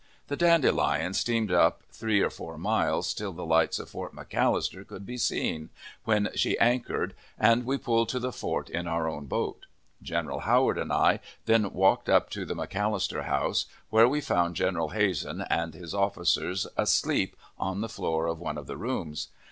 The Dandelion steamed up some three or four miles, till the lights of Fort McAllister could be seen, when she anchored, and we pulled to the fort in our own boat. General Howard and I then walked up to the McAllister House, where we found General Hazen and his officers asleep on the floor of one of the rooms.